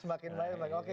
semakin banyak oke